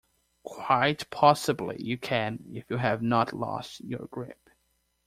Quite possibly you can, if you have not lost your grip.